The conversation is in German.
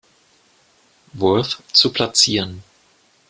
Worth zu platzieren.